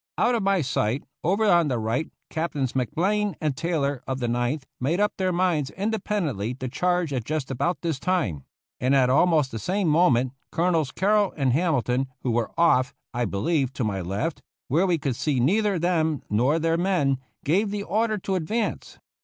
Out of my sight, over on the right. Captains McBlain and Taylor, of the Ninth, made up their minds independently to charge at just about this time ; 130 THE CAVALRY AT SANTIAGO and at almost the same moment Colonels Carroll and Hamilton, who were off, I believe, to my left, where we could see neither them nor their men, gave the order to advance.